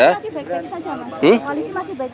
wali sih masih baik baik saja mas